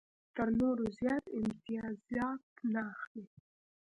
تر نورو زیات امتیازات نه اخلي.